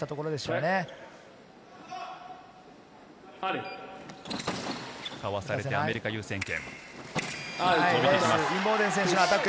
かわされて、アメリカ優先権。